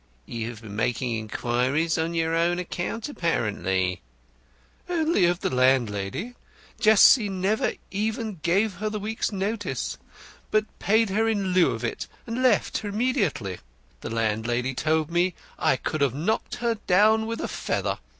"You have been making inquiries on your own account apparently?" "Only of the landlady. Jessie never even gave her the week's notice, but paid her in lieu of it, and left immediately. The landlady told me I could have knocked her down with a feather.